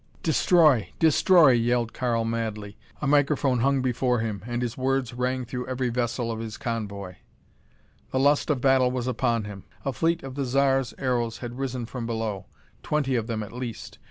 "Destroy! Destroy!" yelled Karl madly. A microphone hung before him and his words rang through every vessel of his convoy. The lust of battle was upon him. A fleet of the Zar's aeros had risen from below; twenty of them at least.